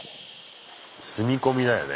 積み込みだよね。